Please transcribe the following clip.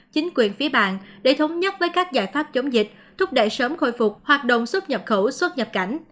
chính quyền phía bạn để thống nhất với các giải pháp chống dịch thúc đẩy sớm khôi phục hoạt động xuất nhập khẩu xuất nhập cảnh